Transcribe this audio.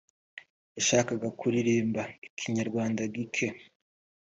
yashakaga kuririmba Ikinyarwanda gike